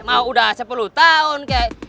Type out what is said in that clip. mau udah sepuluh tahun